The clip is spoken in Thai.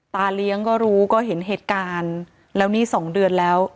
ตาเลี้ยงก็รู้ก็เห็นเหตุการณ์แล้วนี่สองเดือนแล้ว